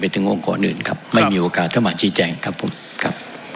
ถึงองค์กรอื่นครับไม่มีโอกาสเข้ามาชี้แจงครับผมครับ